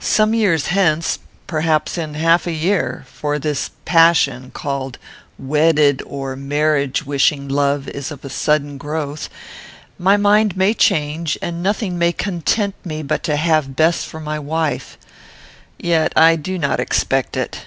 Some years hence, perhaps in half a year, (for this passion, called wedded or marriage wishing love, is of sudden growth,) my mind may change and nothing may content me but to have Bess for my wife. Yet I do not expect it."